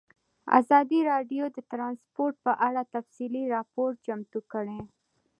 ازادي راډیو د ترانسپورټ په اړه تفصیلي راپور چمتو کړی.